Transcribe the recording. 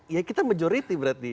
ya kita majority berarti